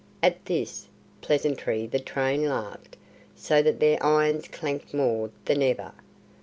At this pleasantry the train laughed, so that their irons clanked more than ever.